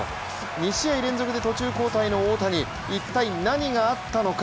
２試合連続で途中交代の大谷、一体、何があったのか。